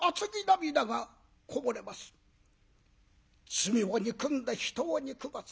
罪を憎んで人を憎まず。